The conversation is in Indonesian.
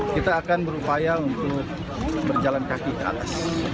kita akan berupaya untuk berjalan kaki ke atas